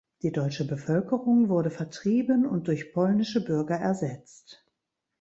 Die deutsche Bevölkerung wurde vertrieben und durch polnische Bürger ersetzt.